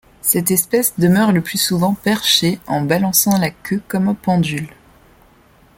Cette espèce demeure le plus souvent perchée en balançant la queue comme un pendule.